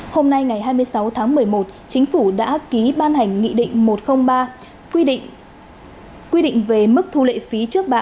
hôm nay ngày hai mươi sáu tháng một mươi một chính phủ đã ký ban hành nghị định một trăm linh ba quy định về mức thu lệ phí trước bạ